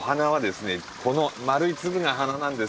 この丸い粒が花なんです。